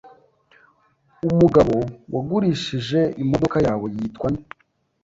Umugabo wagurishije imodoka yawe yitwa nde?